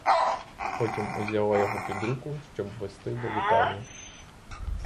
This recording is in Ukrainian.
Потім узяла його під руку, щоб вести до вітальні.